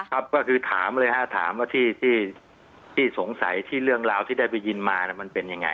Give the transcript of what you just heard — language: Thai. ครับก็คือถามเลยฮะถามว่าที่สงสัยที่เรื่องราวที่ได้ไปยินมามันเป็นยังไง